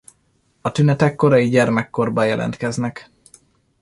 A tünetek korai gyermekkorban jelentkeznek.